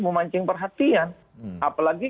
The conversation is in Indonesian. memancing perhatian apalagi